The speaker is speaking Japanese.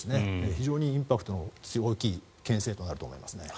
非常にインパクトの大きいけん制になると思います。